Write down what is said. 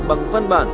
bằng phân bản